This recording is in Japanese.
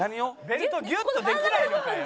ベルトギュッとできないのかよ。